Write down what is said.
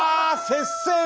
接戦！